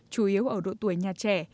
chủ yếu ở độ tuổi nhà trẻ